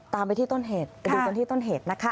ตามไปที่ต้นเหตุดูต้นที่ต้นเหตุนะคะ